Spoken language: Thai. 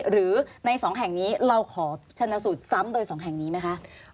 หรือใน๒แห่งนี้เราขอชนะสูตรซ้ำโดย๒แห่งนี้ไหมคะ